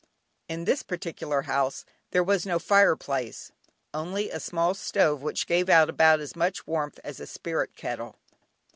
In this particular house there was no fire place, only a small stove which gave out about as much warmth as a spirit kettle.